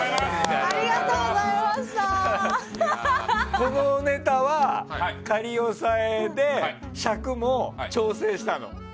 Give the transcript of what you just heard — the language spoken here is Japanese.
このネタは仮押さえで尺も調整したの？